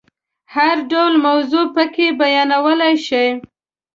هر ډول موضوع پکې بیانولای شي.